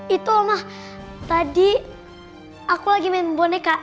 itu mah tadi aku lagi main boneka